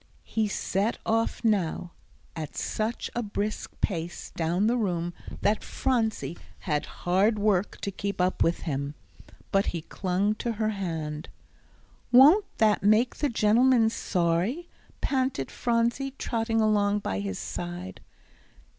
He set off now at such a brisk pace down the room that Phronsie had hard work to keep up with him. But he clung to her hand. "Won't that make the gentleman sorry?" panted Phronsie, trotting along by his side.